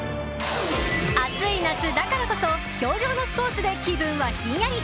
暑い夏だからこそ氷上のスポーツで気分はひんやり。